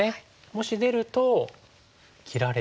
もし出ると切られて。